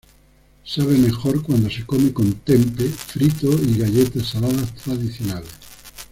Sabe mejor cuando se come con "tempe" frito y galletas saladas tradicionales.